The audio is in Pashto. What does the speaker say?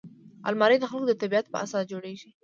الماري د خلکو د طبعیت په اساس جوړیږي